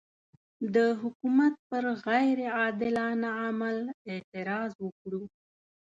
د حکومت پر غیر عادلانه عمل اعتراض وکړو.